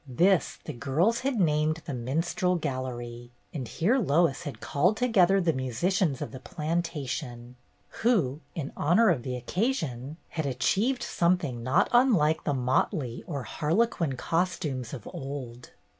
This the girls had named The Minstrel Gallery, and here Lois had called together the musicians of the planta tion, who, in honor of the occasion, had achieved something not unlike the motley or harlequin costumes of old.